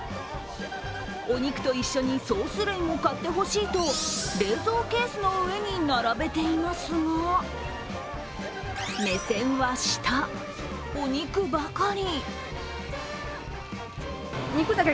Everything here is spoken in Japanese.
お肉と一緒にソース類も買ってほしいと冷蔵ケースの上に並べていますが目線は下、お肉ばかり。